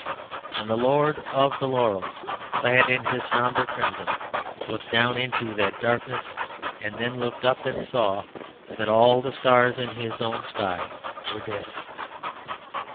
And the lord of the laurels, clad in his sombre crimson, looked down into that darkness, and then looked up, and saw that all the stars in his own sky were dead.